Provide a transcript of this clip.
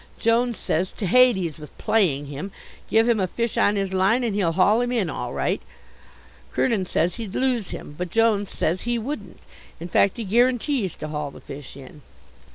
Jones says to Hades with playing him: give him a fish on his line and he'll haul him in all right. Kernin says he'd lose him. But Jones says he wouldn't. In fact he guarantees to haul the fish in.